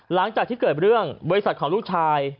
หลังจากที่เกิดเรื่องบริษัทของลูกชาย